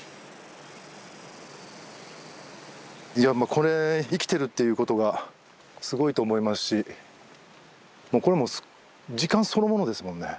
これ生きてるっていうことがすごいと思いますしこれもう時間そのものですもんね。